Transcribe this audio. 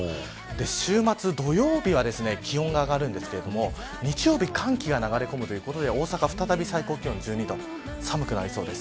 週末、土曜日は気温が上がるんですが日曜日は、寒気が流れ込むということで大阪、再び最高気温１２度と寒くなりそうです。